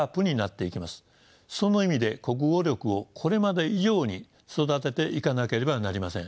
その意味で国語力をこれまで以上に育てていかなければなりません。